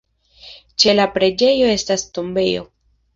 Ĉe la preĝejo estas tombejo.